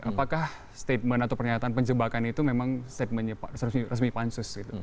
apakah statement atau pernyataan penjebakan itu memang resmi pansus